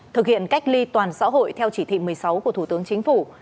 thực hiện cách ly toàn xã hội theo chỉ thị một mươi sáu của thủ tướng chính phủ